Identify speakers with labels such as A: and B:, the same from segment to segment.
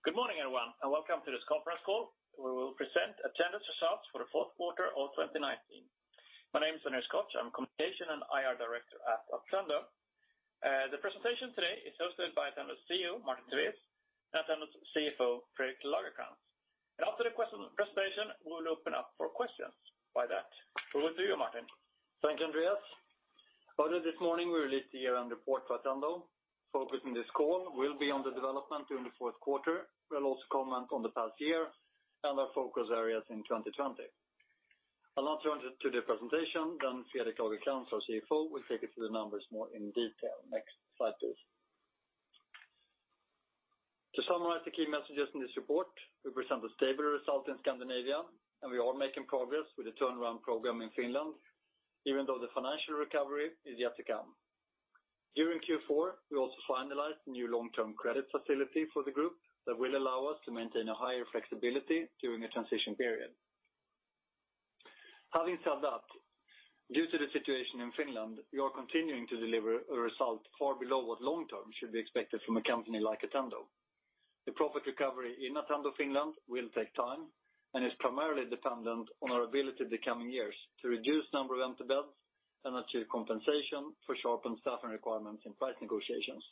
A: Good morning, everyone, welcome to this conference call. We will present Attendo Results for the Fourth Quarter of 2019. My name is Andreas Koch. I'm Communication and IR Director at Attendo. The presentation today is hosted by Attendo CEO, Martin Tivéus, and Attendo CFO, Fredrik Lagercrantz. After the presentation, we'll open up for questions. By that, we will do Martin.
B: Thank you, Andreas. Earlier this morning, we released the year-end report for Attendo. Focus in this call will be on the development during the fourth quarter. We'll also comment on the past year and our focus areas in 2020. I'll now turn it to the presentation, then Fredrik Lagercrantz, our CFO, will take you through the numbers more in detail. Next slide, please. To summarize the key messages in this report, we present a stable result in Scandinavia, and we are making progress with the turnaround program in Finland, even though the financial recovery is yet to come. During Q4, we also finalized new long-term credit facility for the group that will allow us to maintain a higher flexibility during a transition period. Having said that, due to the situation in Finland, we are continuing to deliver a result far below what long-term should be expected from a company like Attendo. The profit recovery in Attendo Finland will take time and is primarily dependent on our ability in the coming years to reduce number of empty beds and achieve compensation for sharpened staffing requirements in price negotiations.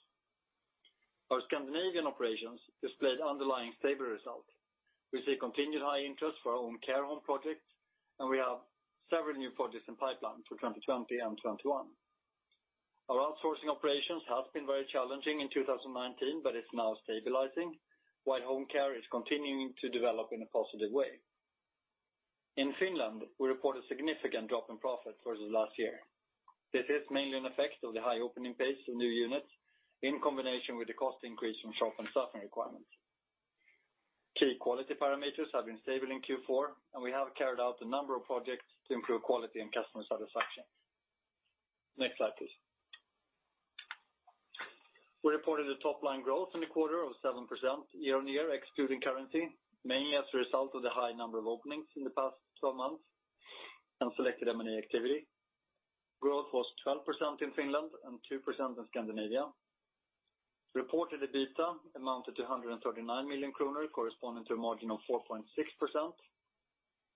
B: Our Scandinavian operations displayed underlying stable result. We have several new projects in pipeline for 2020 and 2021. Our outsourcing operations has been very challenging in 2019, but it's now stabilizing, while home care is continuing to develop in a positive way. In Finland, we report a significant drop in profit versus last year. This is mainly an effect of the high opening pace of new units in combination with the cost increase from sharpened staffing requirements. Key quality parameters have been stable in Q4. We have carried out a number of projects to improve quality and customer satisfaction. Next slide, please. We reported a top-line growth in the quarter of 7% year-on-year, excluding currency, mainly as a result of the high number of openings in the past 12 months and selected M&A activity. Growth was 12% in Finland and 2% in Scandinavia. Reported EBITDA amounted to 139 million kronor, corresponding to a margin of 4.6%.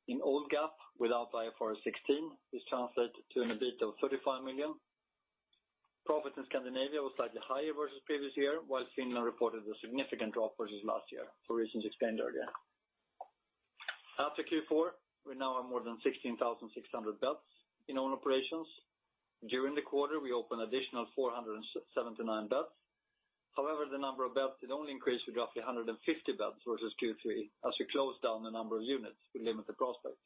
B: In old GAAP, without IFRS 16, this translates to an EBITDA of 35 million. Profit in Scandinavia was slightly higher versus previous year, while Finland reported a significant drop versus last year, for reasons explained earlier. After Q4, we now have more than 16,600 beds in own operations. During the quarter, we opened additional 479 beds. However, the number of beds it only increased to roughly 150 beds versus Q3, as we closed down a number of units with limited prospects.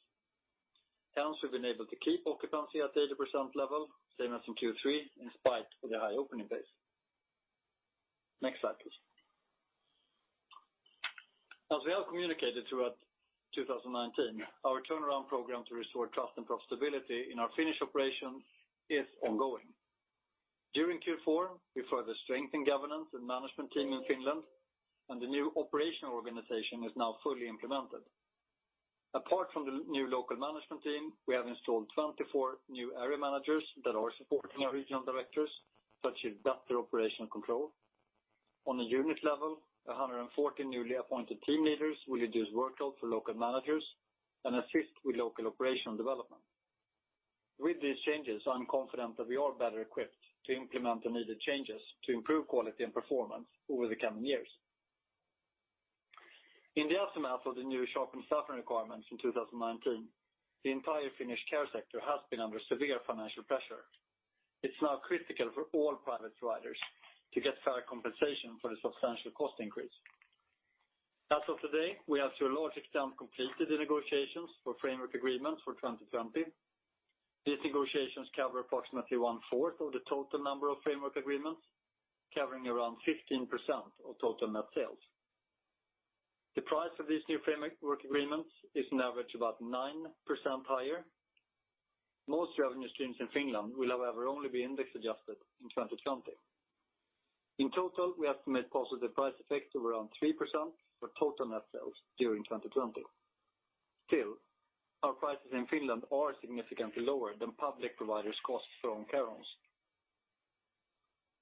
B: Hence, we've been able to keep occupancy at 80% level, same as in Q3, in spite of the high opening pace. Next slide, please. As we have communicated throughout 2019, our turnaround program to restore trust and profitability in our Finnish operations is ongoing. During Q4, we further strengthened governance and management team in Finland, and the new operational organization is now fully implemented. Apart from the new local management team, we have installed 24 new area managers that are supporting our regional directors to achieve better operational control. On a unit level, 140 newly appointed team leaders will reduce workload for local managers and assist with local operational development. With these changes, I'm confident that we are better equipped to implement the needed changes to improve quality and performance over the coming years. In the aftermath of the new sharpened staffing requirements in 2019, the entire Finnish care sector has been under severe financial pressure. It's now critical for all private providers to get fair compensation for the substantial cost increase. As of today, we have to a large extent completed the negotiations for framework agreements for 2020. These negotiations cover approximately one-fourth of the total number of framework agreements, covering around 15% of total net sales. The price of these new framework agreements is on average about 9% higher. Most revenue streams in Finland will, however, only be index adjusted in 2020. In total, we estimate positive price effect of around 3% for total net sales during 2020. Still, our prices in Finland are significantly lower than public providers' costs for own care homes.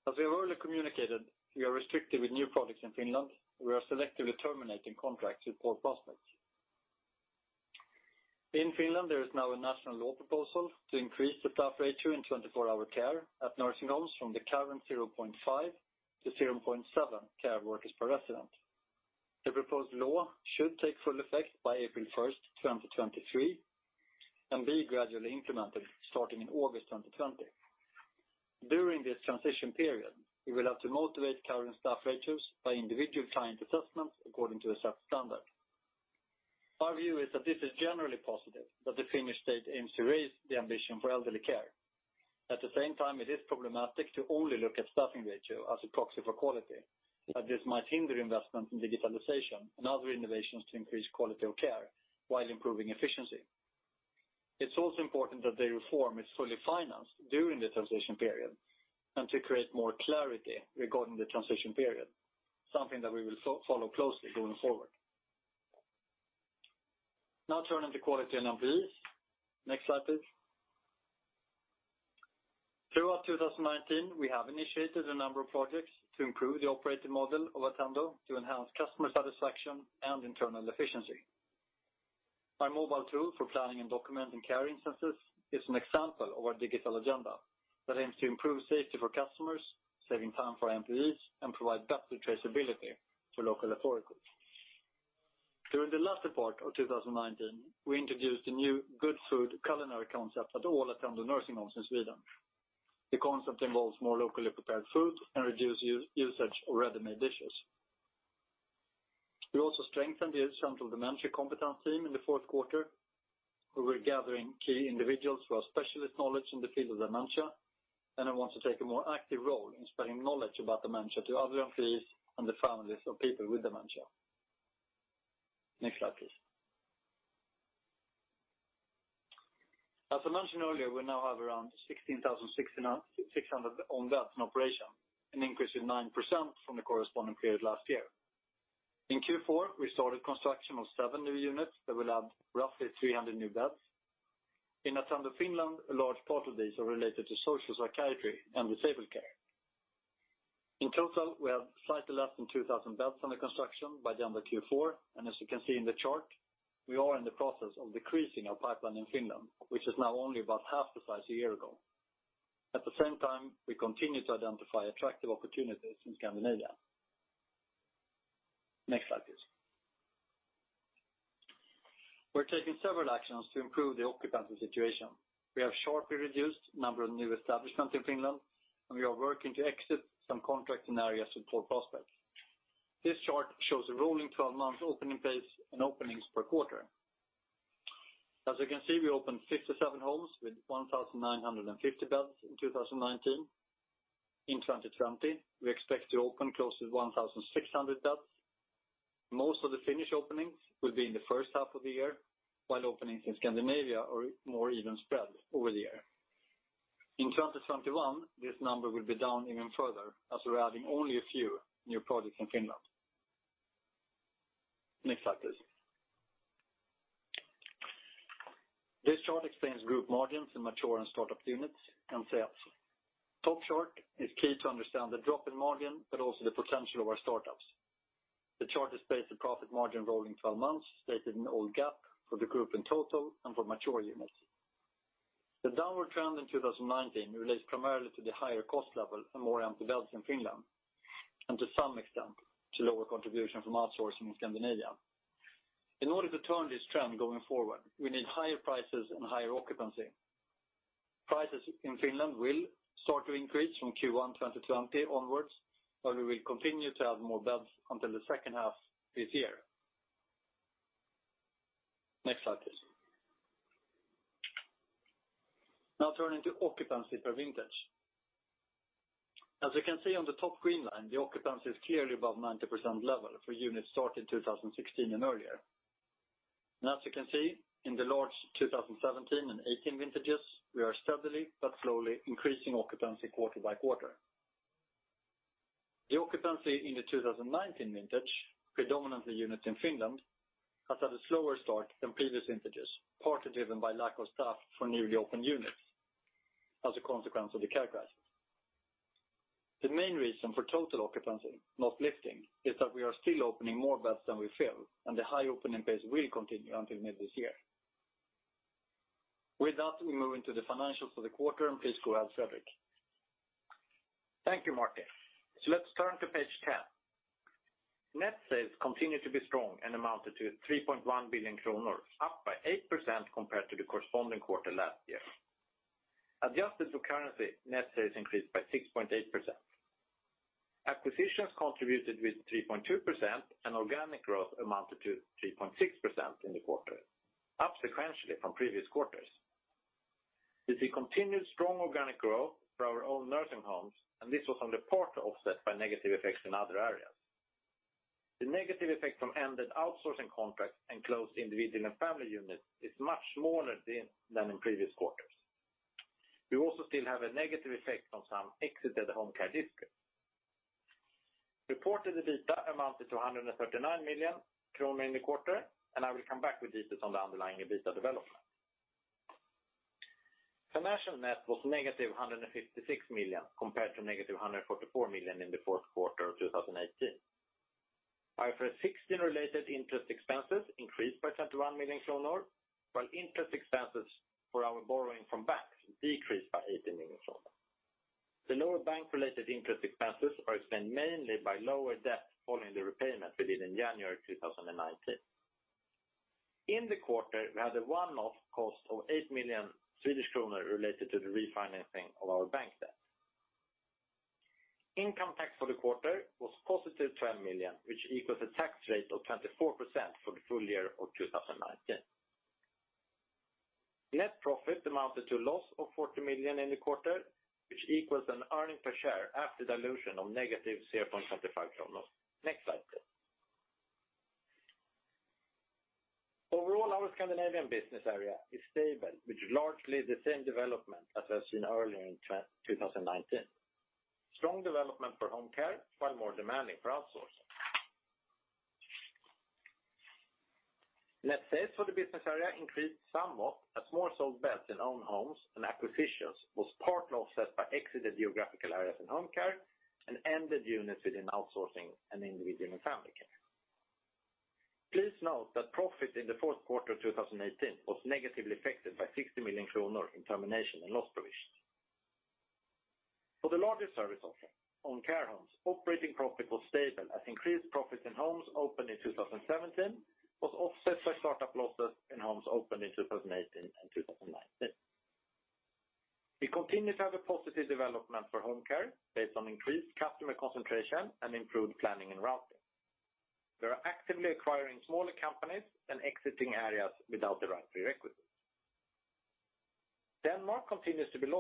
B: As we have already communicated, we are restricted with new projects in Finland. We are selectively terminating contracts with poor prospects. In Finland, there is now a national law proposal to increase the staff ratio in 24-hour care at nursing homes from the current 0.5-0.7 care workers per resident. The proposed law should take full effect by April 1st, 2023, and be gradually implemented starting in August 2020. During this transition period, we will have to motivate current staff ratios by individual client assessments according to a set standard. Our view is that this is generally positive that the Finnish state aims to raise the ambition for elderly care. At the same time, it is problematic to only look at staffing ratio as a proxy for quality, as this might hinder investment in digitalization and other innovations to increase quality of care while improving efficiency. It's also important that the reform is fully financed during the transition period and to create more clarity regarding the transition period, something that we will follow closely going forward. Now turning to quality and KPIs. Next slide, please. Throughout 2019, we have initiated a number of projects to improve the operating model of Attendo to enhance customer satisfaction and internal efficiency. Our mobile tool for planning and documenting care instances is an example of our digital agenda that aims to improve safety for customers, saving time for our employees, and provide better traceability to local authorities. During the latter part of 2019, we introduced a new Good Food culinary concept at all Attendo nursing homes in Sweden. The concept involves more locally prepared food and reduced usage of ready-made dishes. We also strengthened the central dementia competence team in the fourth quarter. We were gathering key individuals who have specialist knowledge in the field of dementia and who want to take a more active role in spreading knowledge about dementia to other employees and the families of people with dementia. Next slide, please. As I mentioned earlier, we now have around 16,600 own beds in operation, an increase of 9% from the corresponding period last year. In Q4, we started construction of seven new units that will add roughly 300 new beds. In Attendo Finland, a large part of these are related to social psychiatry and disabled care. In total, we have slightly less than 2,000 beds under construction by the end of Q4. As you can see in the chart, we are in the process of decreasing our pipeline in Finland, which is now only about half the size a year ago. At the same time, we continue to identify attractive opportunities in Scandinavia. Next slide, please. We're taking several actions to improve the occupancy situation. We have sharply reduced the number of new establishments in Finland, and we are working to exit some contracts in areas with poor prospects. This chart shows a rolling 12-month opening pace and openings per quarter. As you can see, we opened 57 homes with 1,950 beds in 2019. In 2020, we expect to open close to 1,600 beds. Most of the Finnish openings will be in the first half of the year, while openings in Scandinavia are more evenly spread over the year. In 2021, this number will be down even further as we're adding only a few new projects in Finland. Next slide, please. This chart explains group margins in mature and startup units and sales. Top chart is key to understand the drop in margin, but also the potential of our startups. The chart displays the profit margin rolling 12 months stated in old GAAP for the group in total and for mature units. The downward trend in 2019 relates primarily to the higher cost level and more empty beds in Finland, and to some extent, to lower contribution from outsourcing in Scandinavia. In order to turn this trend going forward, we need higher prices and higher occupancy. Prices in Finland will start to increase from Q1 2020 onwards, where we will continue to add more beds until the second half this year. Next slide, please. Now turning to occupancy per vintage. As you can see on the top green line, the occupancy is clearly above 90% level for units started 2016 and earlier. As you can see in the large 2017 and 2018 vintages, we are steadily but slowly increasing occupancy quarter by quarter. The occupancy in the 2019 vintage, predominantly units in Finland, has had a slower start than previous vintages, partly driven by lack of staff for newly opened units as a consequence of the care crisis. The main reason for total occupancy not lifting is that we are still opening more beds than we fill, and the high opening pace will continue until mid this year. With that, we move into the financials for the quarter. Please go ahead, Fredrik.
C: Thank you, Martin. Let's turn to page 10. Net sales continued to be strong and amounted to 3.1 billion kronor, up by 8% compared to the corresponding quarter last year. Adjusted for currency, net sales increased by 6.8%. Acquisitions contributed with 3.2% and organic growth amounted to 3.6% in the quarter, up sequentially from previous quarters. We see continued strong organic growth for our own nursing homes, this was only partly offset by negative effects in other areas. The negative effect from ended outsourcing contracts and closed individual and family care units is much smaller than in previous quarters. We also still have a negative effect from some exited home care districts. Reported EBITDA amounted to 139 million kronor in the quarter, I will come back with details on the underlying EBITDA development. Financial net was -156 million compared to -144 million in the fourth quarter of 2018. IFRS 16-related interest expenses increased by 21 million kronor, while interest expenses for our borrowing from banks decreased by 18 million kronor. The lower bank-related interest expenses are explained mainly by lower debt following the repayment we did in January 2019. In the quarter, we had a one-off cost of 8 million Swedish kronor related to the refinancing of our bank debt. Income tax for the quarter was +12 million, which equals a tax rate of 24% for the full year of 2019. Net profit amounted to a loss of 40 million in the quarter, which equals an earning per share after dilution of -0.75 kronor. Next slide, please. Overall, our Scandinavian business area is stable, which is largely the same development that we have seen earlier in 2019. Strong development for home care, while more demanding for outsourcing. Net sales for the business area increased somewhat as more sold beds in own homes and acquisitions was partly offset by exited geographical areas in home care and ended units within outsourcing and individual and family care. Please note that profit in the fourth quarter of 2018 was negatively affected by 60 million kronor in termination and loss provisions. For the largest service option, own care homes, operating profit was stable as increased profits in homes opened in 2017 was offset by start-up losses in homes opened in 2018 and 2019. We continue to have a positive development for home care based on increased customer concentration and improved planning and routing. We are actively acquiring smaller companies and exiting areas without the right prerequisites. Denmark continues to be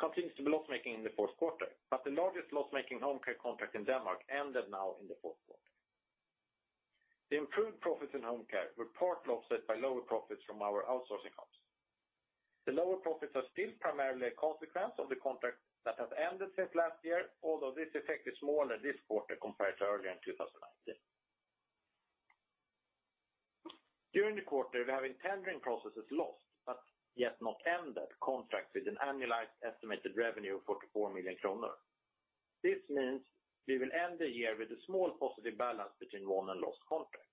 C: loss-making in the fourth quarter, but the largest loss-making home care contract in Denmark ended now in the fourth quarter. The improved profits in home care were part offset by lower profits from our outsourcing homes. The lower profits are still primarily a consequence of the contract that have ended since last year, although this effect is smaller this quarter compared to earlier in 2019. During the quarter, we have in tendering processes lost, but yet not ended, contracts with an annualized estimated revenue of 44 million kronor. This means we will end the year with a small positive balance between won and lost contracts.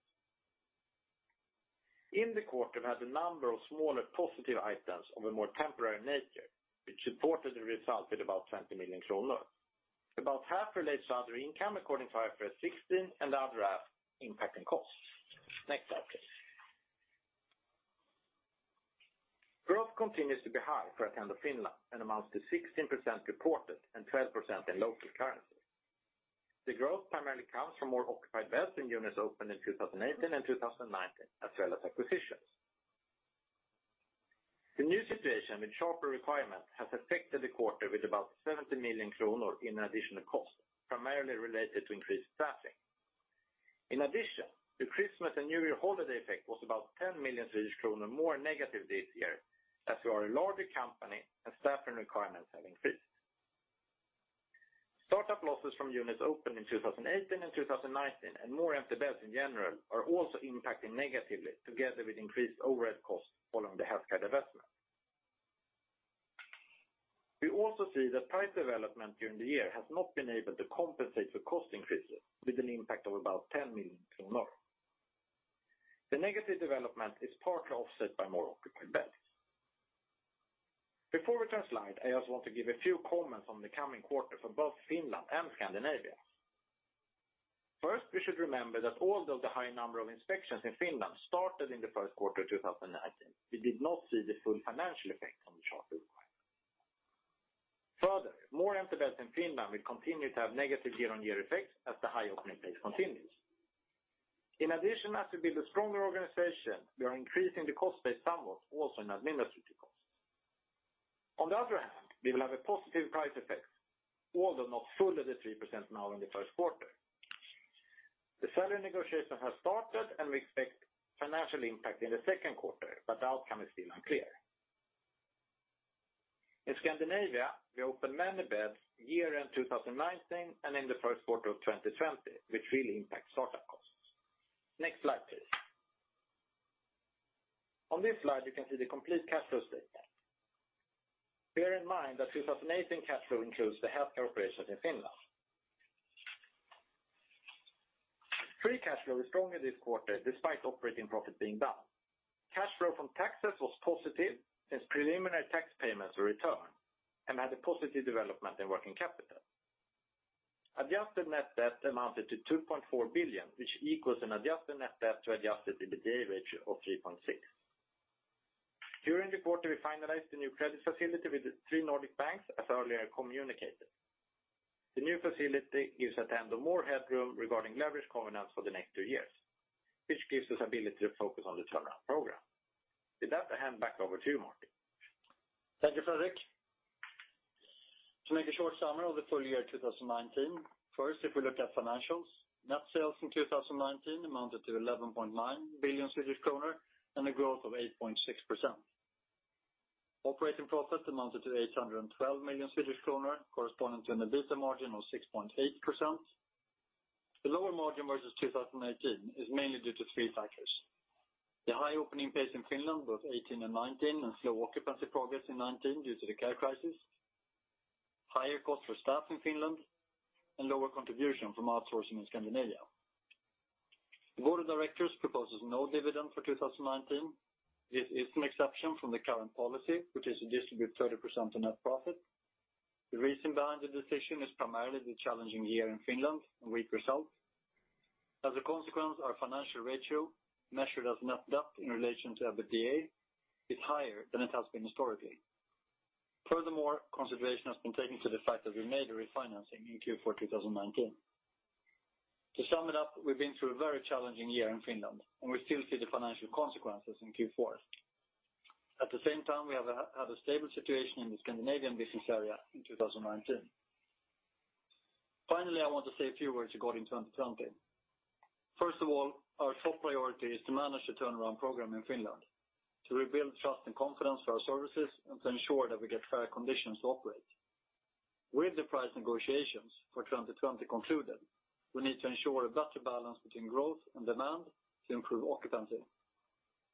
C: In the quarter, we had a number of smaller positive items of a more temporary nature, which supported the result at about 20 million kronor. About half relates to other income according to IFRS 16. The other half impacting costs. Next slide, please. Growth continues to be high for Attendo Finland and amounts to 16% reported and 12% in local currency. The growth primarily comes from more occupied beds in units opened in 2018 and 2019, as well as acquisitions. The new situation with sharper requirements has affected the quarter with about 70 million kronor in additional costs, primarily related to increased staffing. In addition, the Christmas and New Year holiday effect was about 10 million Swedish kronor more negative this year, as we are a larger company and staffing requirements have increased. Start-up losses from units opened in 2018 and 2019 and more empty beds in general are also impacting negatively, together with increased overhead costs following the healthcare divestment. We also see that price development during the year has not been able to compensate for cost increases with an impact of about 10 million kronor. The negative development is partly offset by more occupied beds. We also want to give a few comments on the coming quarter for both Finland and Scandinavia. We should remember that although the high number of inspections in Finland started in the first quarter of 2019, we did not see the full financial effect on the sharper requirement. More empty beds in Finland will continue to have negative year-on-year effects as the high opening pace continues. As we build a stronger organization, we are increasing the cost base somewhat, also in administrative costs. We will have a positive price effect, although not fully the 3% now in the first quarter. The salary negotiation has started, and we expect financial impact in the second quarter, but the outcome is still unclear. In Scandinavia, we open many beds year-end 2019 and in the first quarter of 2020, which really impacts start-up costs. Next slide, please. On this slide, you can see the complete cash flow statement. Bear in mind that 2018 cash flow includes the healthcare operations in Finland. Free cash flow is stronger this quarter despite operating profit being down. Cash flow from taxes was positive since preliminary tax payments were returned and had a positive development in working capital. Adjusted net debt amounted to 2.4 billion, which equals an adjusted net debt to adjusted EBITDA ratio of 3.6. During the quarter, we finalized the new credit facility with three Nordic banks, as earlier communicated. The new facility gives Attendo more headroom regarding leverage covenants for the next two years, which gives us ability to focus on the turnaround program. With that, I hand back over to you, Martin.
B: Thank you, Fredrik. To make a short summary of the full year 2019. First, if we look at financials, net sales in 2019 amounted to 11.9 billion Swedish kronor and a growth of 8.6%. Operating profit amounted to 812 million Swedish kronor, corresponding to an EBITDA margin of 6.8%. The lower margin versus 2018 is mainly due to three factors: the high opening pace in Finland, both 2018 and 2019, and slow occupancy progress in 2019 due to the care crisis, higher cost for staff in Finland, and lower contribution from outsourcing in Scandinavia. The board of directors proposes no dividend for 2019. This is an exception from the current policy, which is to distribute 30% of net profit. The reason behind the decision is primarily the challenging year in Finland and weak results. As a consequence, our financial ratio, measured as net debt in relation to EBITDA, is higher than it has been historically. Consideration has been taken to the fact that we made a refinancing in Q4 2019. To sum it up, we've been through a very challenging year in Finland, and we still see the financial consequences in Q4. At the same time, we have had a stable situation in the Scandinavian business area in 2019. I want to say a few words regarding 2020. Our top priority is to manage the turnaround program in Finland, to rebuild trust and confidence for our services, and to ensure that we get fair conditions to operate. With the price negotiations for 2020 concluded, we need to ensure a better balance between growth and demand to improve occupancy.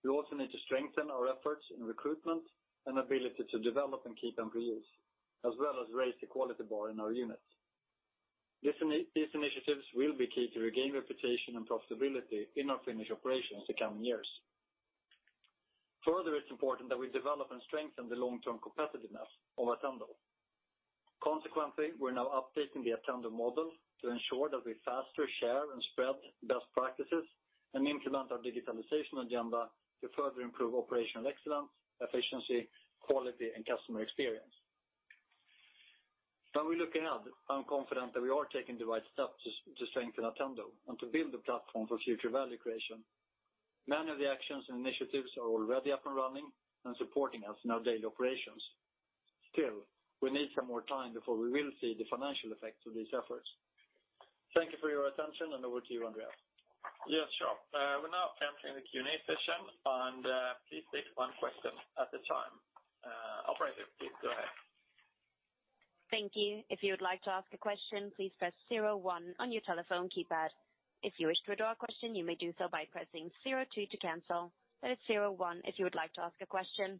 B: We also need to strengthen our efforts in recruitment and ability to develop and keep employees, as well as raise the quality bar in our units. These initiatives will be key to regain reputation and profitability in our Finnish operations the coming years. It's important that we develop and strengthen the long-term competitiveness of Attendo. Consequently, we're now updating the Attendo model to ensure that we faster share and spread best practices and implement our digitalization agenda to further improve operational excellence, efficiency, quality, and customer experience. When we look ahead, I'm confident that we are taking the right steps to strengthen Attendo and to build a platform for future value creation. Many of the actions and initiatives are already up and running and supporting us in our daily operations. We need some more time before we will see the financial effects of these efforts. Thank you for your attention. Over to you, Andreas.
A: Yes, sure. We are now entering the Q&A session. Please take one question at a time. Operator, please go ahead.
D: Thank you. If you would like to ask a question, please press zero one on your telephone keypad. If you wish to withdraw a question, you may do so by pressing zero two to cancel. It's zero one if you would like to ask a question.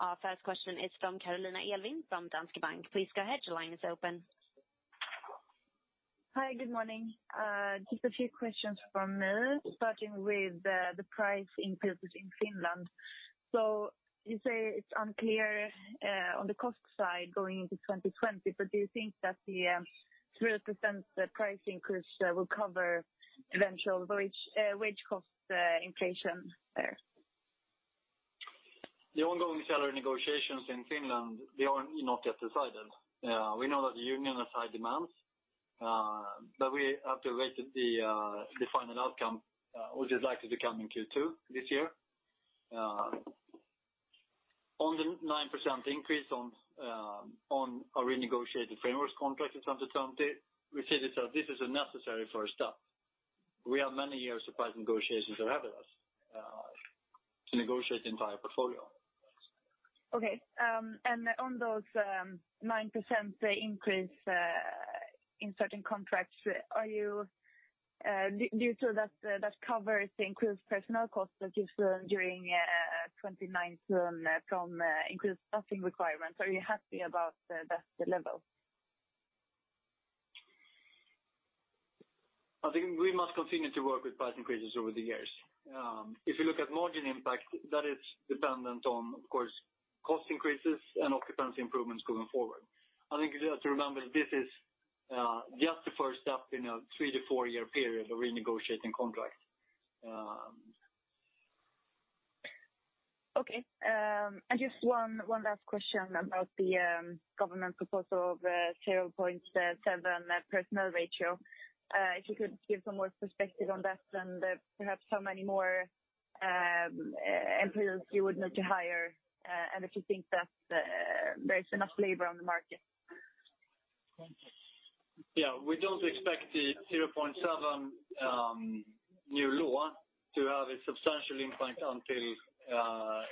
D: Our first question is from Carolina Elvind of Danske Bank. Please go ahead, your line is open.
E: Hi, good morning. Just a few questions from me, starting with the price increases in Finland. You say it's unclear on the cost side going into 2020, but do you think that the 3% price increase will cover eventual wage cost inflation there?
B: The ongoing salary negotiations in Finland are not yet decided. We know that the union has high demands, but we have to wait for the final outcome, which is likely to come in Q2 this year. On the 9% increase on our renegotiated framework contract in 2020, we see this as a necessary first step. We have many years of price negotiations ahead of us to negotiate the entire portfolio.
E: Okay. On those 9% increase in certain contracts, do you feel that covers the increased personnel costs that you've seen during 2019 from increased staffing requirements? Are you happy about that level?
B: I think we must continue to work with price increases over the years. If you look at margin impact, that is dependent on, of course, cost increases and occupancy improvements going forward. I think you have to remember, this is just the first step in a three to four-year period of renegotiating contracts.
E: Okay. Just one last question about the government proposal of 0.7 personnel ratio. If you could give some more perspective on that and perhaps how many more employees you would need to hire, and if you think that there is enough labor on the market.
B: Yeah. We don't expect the 0.7 new law to have a substantial impact until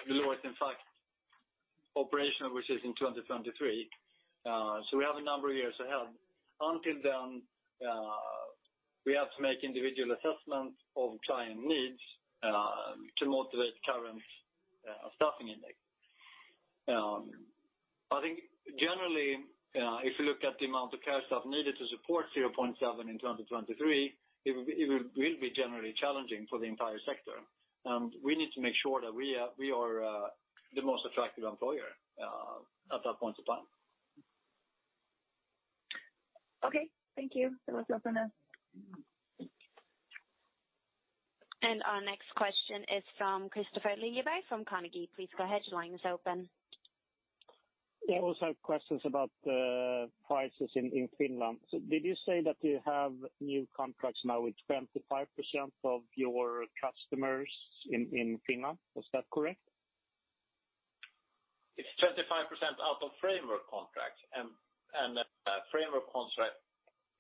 B: the law is in fact operational, which is in 2023. We have a number of years ahead. Until then, we have to make individual assessments of client needs to motivate current staffing ratio. I think generally, if you look at the amount of care staff needed to support 0.7 in 2023, it will be generally challenging for the entire sector. We need to make sure that we are the most attractive employer at that point in time.
E: Okay. Thank you. That was all for now.
D: Our next question is from Kristofer Liljeberg from Carnegie. Please go ahead, your line is open.
F: Yeah, I also have questions about the prices in Finland. Did you say that you have new contracts now with 25% of your customers in Finland? Was that correct?
B: It's 25% out of framework contracts, a framework contract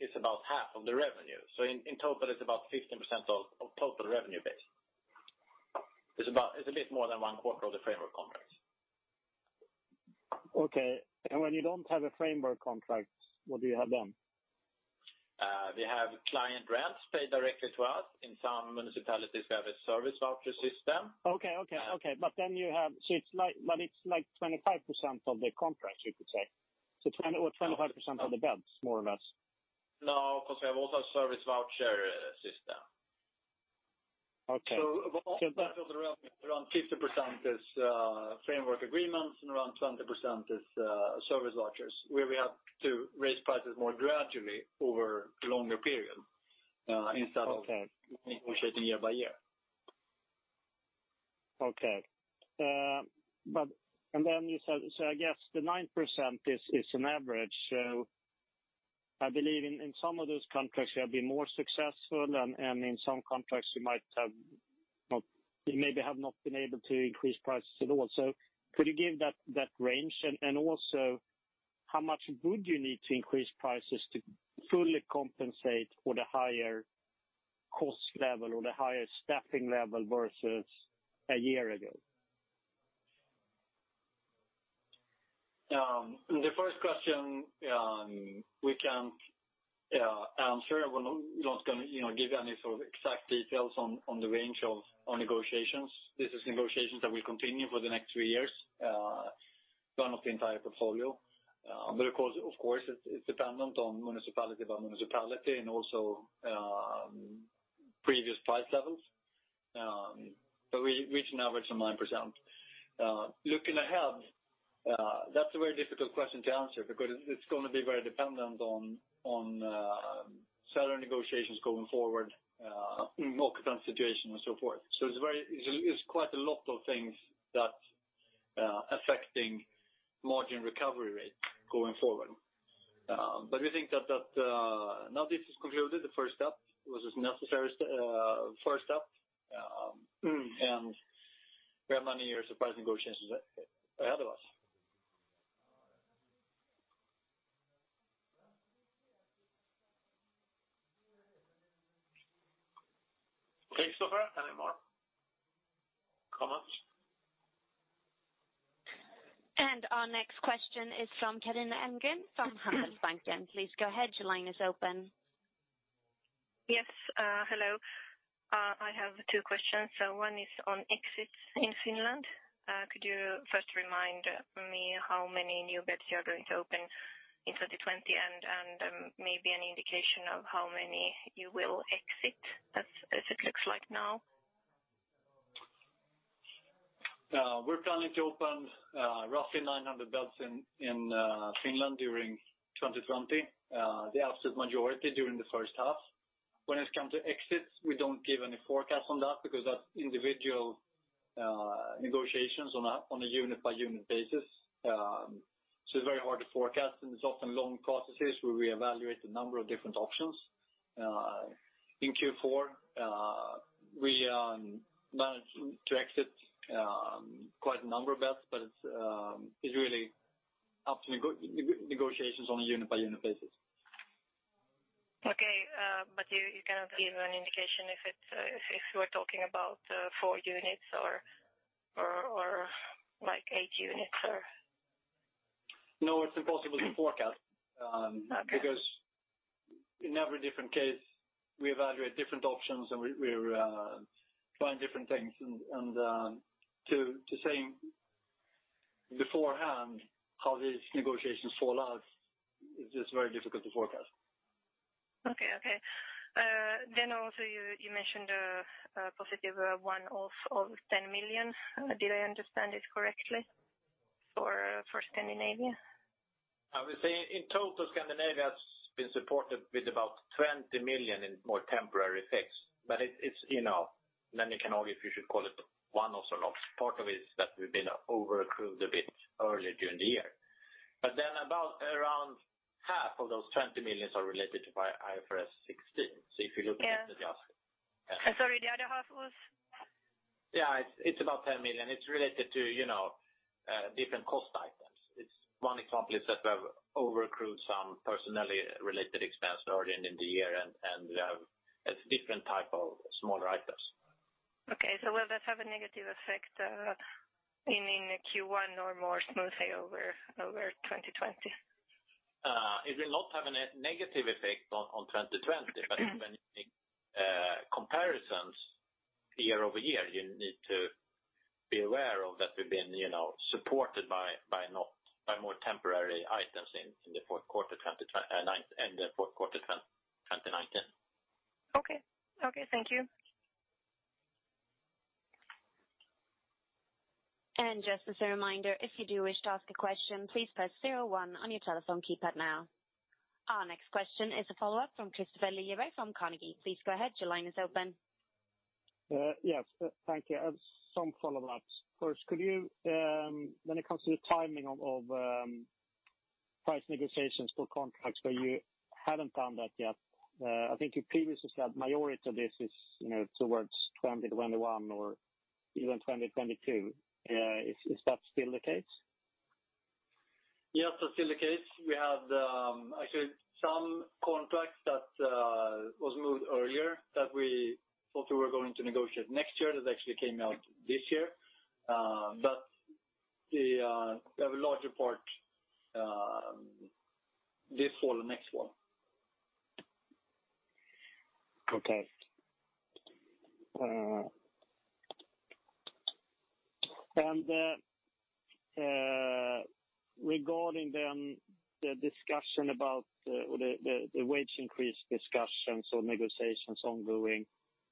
B: is about half of the revenue. In total, it's about 15% of total revenue base. It's a bit more than one quarter of the framework contracts.
F: Okay. When you don't have a framework contract, what do you have then?
B: We have client rents paid directly to us. In some municipalities, we have a service voucher system.
F: Okay. It's like 25% of the contracts, you could say, or 25% of the beds, more or less.
B: No, because we have also a service voucher system.
F: Okay.
B: Of all types of the revenue, around 50% is framework agreements and around 20% is service vouchers, where we have to raise prices more gradually over a longer period instead of negotiating year-by-year.
F: Okay. You said, I guess the 9% is an average. I believe in some of those contracts you have been more successful, and in some contracts you maybe have not been able to increase prices at all. Could you give that range? Also, how much would you need to increase prices to fully compensate for the higher cost level or the higher staffing level versus a year ago.
B: The first question, we can answer. We're not going to give any sort of exact details on the range of negotiations. These are negotiations that will continue for the next three years, done of the entire portfolio. Of course, it's dependent on municipality by municipality and also previous price levels. We reach an average of 9%. Looking ahead, that's a very difficult question to answer because it's going to be very dependent on salary negotiations going forward, market situation, and so forth. It's quite a lot of things that affecting margin recovery rate going forward. We think that now this is concluded, the first step, which is necessary first step, and we have many years of price negotiations ahead of us. Kristofer, any more comments?
D: Our next question is from Carina Åkerström from Handelsbanken. Please go ahead. Your line is open.
G: Yes. Hello. I have two questions. One is on exits in Finland. Could you first remind me how many new beds you are going to open in 2020 and maybe an indication of how many you will exit as it looks like now?
B: We're planning to open roughly 900 beds in Finland during 2020. The absolute majority during the first half. When it comes to exits, we don't give any forecast on that because that's individual negotiations on a unit-by-unit basis. It's very hard to forecast, and it's often long processes where we evaluate a number of different options. In Q4, we managed to exit quite a number of beds, it's really up to negotiations on a unit-by-unit basis.
G: Okay. You cannot give an indication if you are talking about four units or eight units or?
B: No, it's impossible to forecast-
G: Okay
B: because in every different case, we evaluate different options and we find different things. To say beforehand how these negotiations fall out is just very difficult to forecast.
G: Okay. Also you mentioned a positive one-off of 10 million. Did I understand it correctly for Scandinavia?
B: I would say in total, Scandinavia has been supported with about 20 million in more temporary effects. You can argue if you should call it one-off or not. Part of it is that we've been over-accrued a bit earlier during the year. About around half of those 20 millions are related to IFRS 16. If you look at-
G: Yeah. Sorry, the other half was?
B: It's about 10 million. It's related to different cost items. One example is that we have over-accrued some personally related expense earlier in the year. It's different type of smaller items.
G: Okay. Will that have a negative effect in Q1 or more smoothly over 2020?
B: It will not have a negative effect on 2020. When you make comparisons year-over-year, you need to be aware of that we've been supported by more temporary items in the fourth quarter 2019.
G: Okay. Thank you.
D: Just as a reminder, if you do wish to ask a question, please press zero one on your telephone keypad now. Our next question is a follow-up from Kristofer Liljeberg from Carnegie. Please go ahead. Your line is open.
F: Yes. Thank you. Some follow-ups. First, when it comes to the timing of price negotiations for contracts where you haven't done that yet, I think you previously said majority of this is towards 2021 or even 2022. Is that still the case?
B: Yes, that's still the case. We have actually some contracts that was moved earlier that we thought we were going to negotiate next year that actually came out this year. We have a larger part this fall or next fall.
F: Okay. Regarding the wage increase discussions or negotiations ongoing,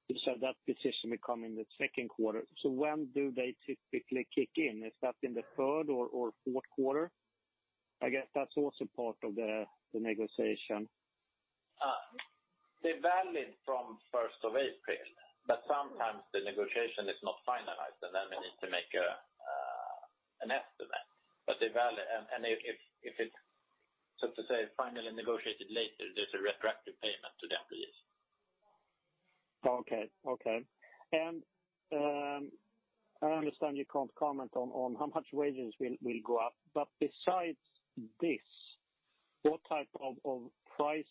F: you said that decision will come in the second quarter. When do they typically kick in? Is that in the third or fourth quarter? I guess that's also part of the negotiation.
B: They're valid from first of April, but sometimes the negotiation is not finalized and then we need to make an estimate. To say, finally negotiated later, there's a retroactive payment to the employees.
F: Okay. I understand you can't comment on how much wages will go up. Besides this, what type of price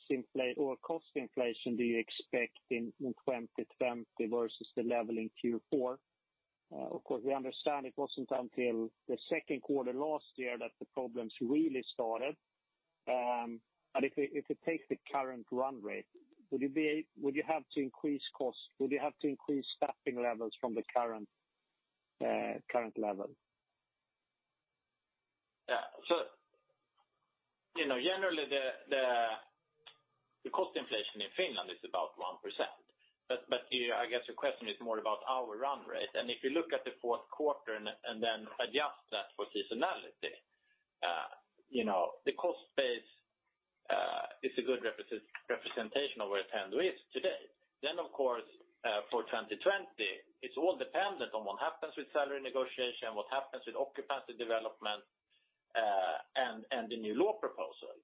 F: or cost inflation do you expect in 2020 versus the level in Q4? Of course, we understand it wasn't until the second quarter last year that the problems really started. If you take the current run rate, would you have to increase staffing levels from the current level?
C: Yeah. Generally, the cost inflation in Finland is about 1%. I guess your question is more about our run rate. If you look at the fourth quarter and adjust that for seasonality, the cost base is a good representation of where Attendo is today. Of course, for 2020, it's all dependent on what happens with salary negotiation, what happens with occupancy development, and the new law proposal.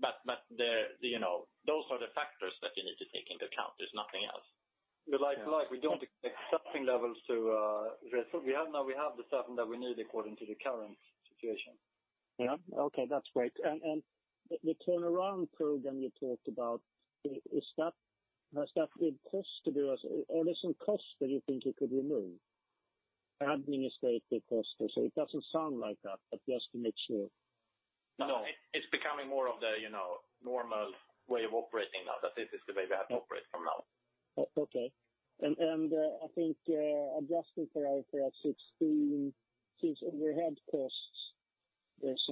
C: Those are the factors that you need to take into account. There's nothing else.
B: Like we don't expect staffing levels to raise. Now we have the staffing that we need according to the current situation.
F: Yeah. Okay, that's great. The turnaround program you talked about, has that been costed? Are there some costs that you think you could remove, administrative costs? It doesn't sound like that, but just to make sure.
B: No.
C: It's becoming more of the normal way of operating now, that this is the way we have to operate from now.
F: Okay. I think adjusting for IFRS 16 overhead costs, there's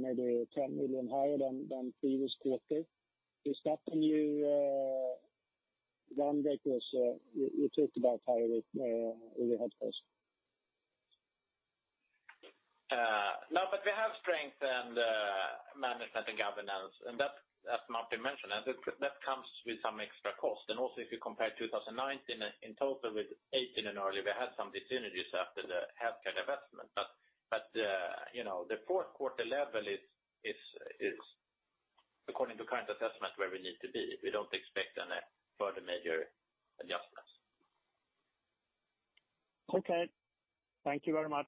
F: maybe 10 million higher than previous quarter. Is that a new run rate? You talked about higher overhead costs.
C: No, we have strength in the management and governance, as Martin mentioned, and that comes with some extra cost. Also if you compare 2019 in total with 2018 and early, we had some dis-synergies after the Finnish healthcare divestment. The fourth quarter level is, according to current assessment, where we need to be. We don't expect any further major adjustments.
F: Okay. Thank you very much.